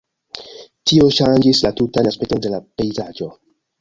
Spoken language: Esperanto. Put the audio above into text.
Tio ŝanĝis la tutan aspekton de la pejzaĝo.